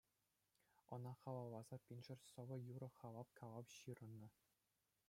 Ӑна халалласа пиншер сӑвӑ-юрӑ, халап, калав ҫырӑннӑ.